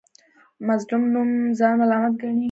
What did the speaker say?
مظلوم نور ځان ملامت ګڼي.